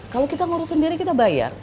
kalau kita ngurus sendiri kita bayar